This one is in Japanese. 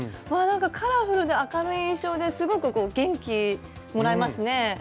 なんかカラフルで明るい印象ですごく元気もらえますね。